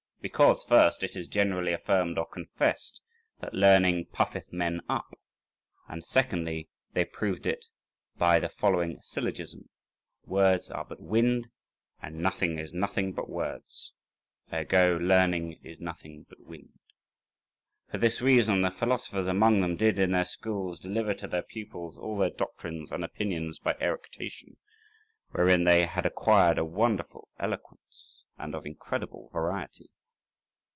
Because, first, it is generally affirmed or confessed that learning puffeth men up; and, secondly, they proved it by the following syllogism: "Words are but wind, and learning is nothing but words; ergo, learning is nothing but wind." For this reason the philosophers among them did in their schools deliver to their pupils all their doctrines and opinions by eructation, wherein they had acquired a wonderful eloquence, and of incredible variety.